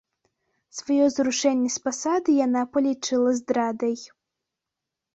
Сваё зрушэнне з пасады яна палічыла здрадай.